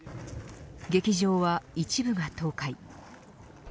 劇場は一部が倒壊。